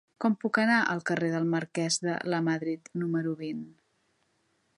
Com puc anar al carrer del Marquès de Lamadrid número vint?